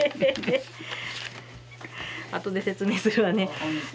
あとで説明するわね。